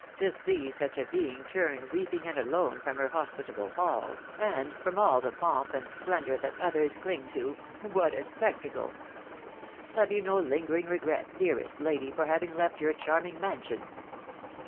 to see such a being turn weeping and alone from her hospitable halls, and from all the pomp and splendour that others ding to •••« what a spectacle ! Have you no lingering regret, dearest lady. for having left your charming mansion